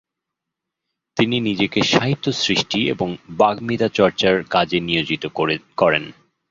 তিনি নিজেকে সাহিত্য সৃষ্টি এবং বাগ্মীতা চর্চার কাজে নিয়োজিত করেন।